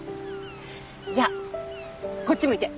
じゃあこっち向いて。